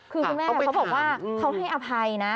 คือคุณแม่เขาบอกว่าเขาให้อภัยนะ